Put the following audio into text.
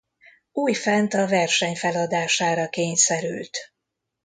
Újfent a verseny feladására kényszerült.